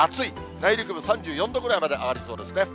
内陸部３４度ぐらいまで上がりそうですね。